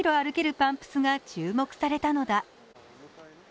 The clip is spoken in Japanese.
パンプスが注目されたのだ。